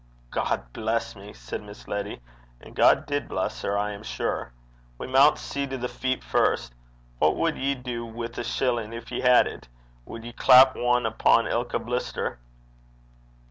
'God bless me!' said Miss Letty and God did bless her, I am sure 'we maun see to the feet first. What wad ye du wi' a shillin' gin ye had it? Wad ye clap ane upo' ilka blister?'